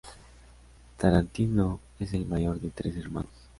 Tarantino es el mayor de tres hermanos.